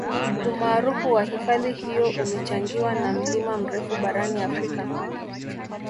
umaarufu wa hifadhi hiyo umechangiwa na mlima mrefu barani afrika